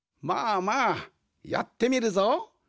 まあまあやってみるぞ。